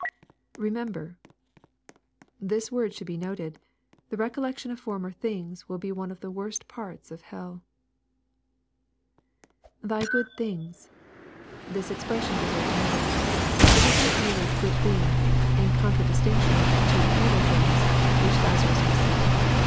[Remember.] This word should be noted. The recollection of former things will be one of the worst parts of hell. [I%y good things.] This expression deserves notice. It is not merely " good things,' in contradistinction to " evil things," which Lazarus received.